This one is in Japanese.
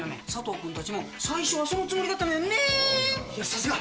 さすが。